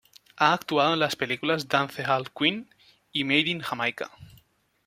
Ha actuado en las películas Dancehall Queen y Made in Jamaica.